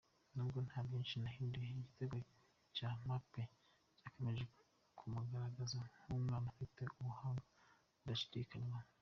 Nubwo nta byinshi cyahinduye, igitego cya Mbappe cyakomeje kumugaragaza nk'umwana ufite ubuhanga budashidikanywaho.